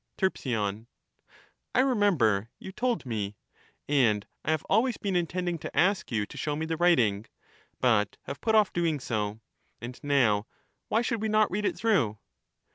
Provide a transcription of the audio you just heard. Terp. I remember — you told me ; and I have always been intending to ask you to show me the writing, but have put off" doing so ; and now, why should we not read it through